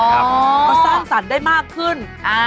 ก็สร้างสรรค์ได้มากขึ้น